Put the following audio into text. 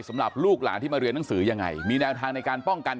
สำหรับลูกหลานที่มาเรียนหนังสือยังไงมีแนวทางในการป้องกัน